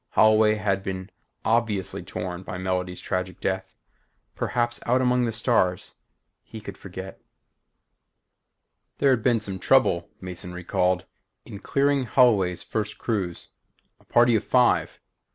Holloway had been obviously torn by Melody's tragic death. Perhaps out among the stars he could forget. There had been some trouble, Mason recalled, in clearing Holloway's first cruise. A party of five.